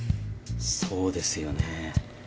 そうですよね。